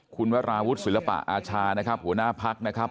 คุณวราวุฒิศิลปะอาชานะครับหัวหน้าพักนะครับ